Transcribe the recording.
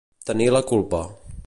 Tenir la culpa.